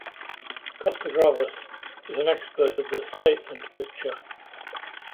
Costa-Gavras is an expert of the "statement" picture.